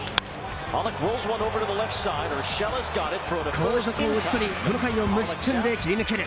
後続を打ち取りこの回を無失点で切り抜ける。